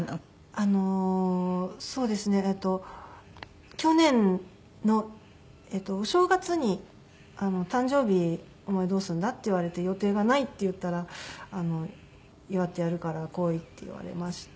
あのそうですね去年のお正月に「誕生日お前どうするんだ？」って言われて「予定がない」って言ったら「祝ってやるから来い」って言われまして。